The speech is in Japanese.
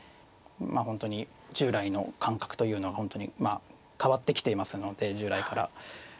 まあ本当に従来の感覚というのは本当に変わってきていますので従来から。